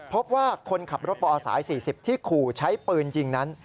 พบว่าคนขับรถปอสาย๔๐ที่ขู่ใช้ปืนยิงนั้น